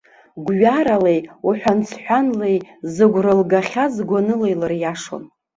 Гәҩаралеи уҳәан-сҳәанлеи зыгәра лгахьаз гәаныла илыриашон.